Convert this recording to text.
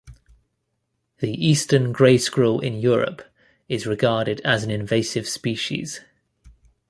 The eastern grey squirrel in Europe is regarded as an invasive species.